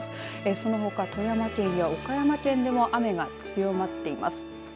そのほか富山県や岡山県でも雨が強まっています。